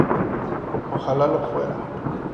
Ojalá lo fuera.